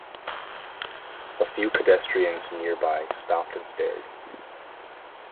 A few pedestrians near by stopped and stared.